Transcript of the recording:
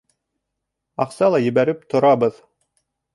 Аҡса ла ебәреп торабыҙ.